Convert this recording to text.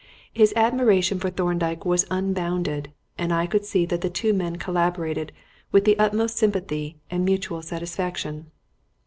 His admiration for Thorndyke was unbounded, and I could see that the two men collaborated with the utmost sympathy and mutual satisfaction.